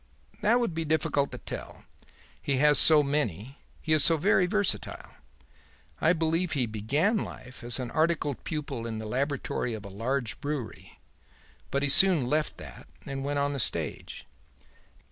"That would be difficult to tell; he has so many; he is so very versatile. I believe he began life as an articled pupil in the laboratory of a large brewery, but he soon left that and went on the stage.